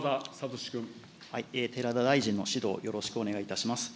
寺田大臣の指導、よろしくお願いいたします。